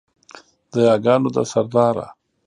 د یاګانو ده سرداره